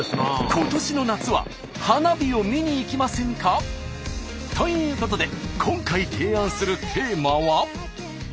今年の夏は花火を見に行きませんか？ということで今回提案するテーマは。